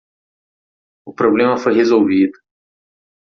O problema foi resolvido.